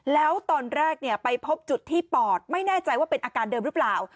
แล้วตอนแรกไปพบจุดที่ปอดไม่แน่ใจว่าเป็นอาการเดิมหรือเปล่า